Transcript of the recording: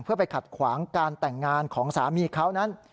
เพื่อไปขัดขวางการแต่งงานของสามีเขานั้น